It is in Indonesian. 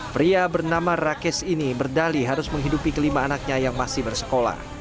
pria bernama rakes ini berdali harus menghidupi kelima anaknya yang masih bersekolah